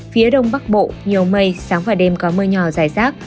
phía đông bắc bộ nhiều mây sáng và đêm có mưa nhỏ dài rác